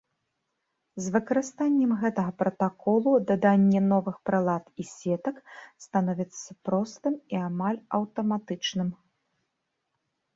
З выкарыстаннем гэтага пратаколу даданне новых прылад і сетак становіцца простым і амаль аўтаматычным.